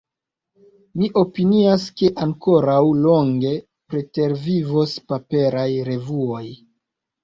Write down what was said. Mi opinias ke ankoraŭ longe pretervivos paperaj revuoj.